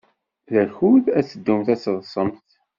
D akud ad teddumt ad teḍḍsemt.